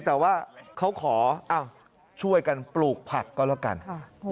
แต่ว่าเขาขอช่วยกันปลูกผักก็แล้วกัน